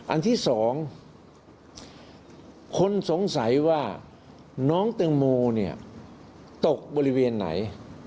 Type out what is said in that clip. อันที่สองคนสงสัยว่าน้องแตงโมเนี่ยตกบริเวณไหน